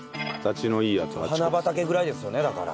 花畑ぐらいですよねだから。